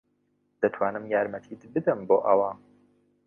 دەتوانم یارمەتیت بدەم بۆ ئەوە؟